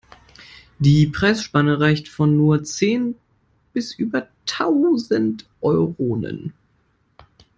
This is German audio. Die Preisspanne reicht von nur zehn bis über tausend Euronen.